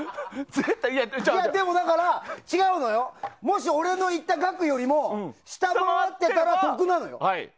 でも、だから違うのよもし、俺の言った額よりも下回ってたら得なのよ！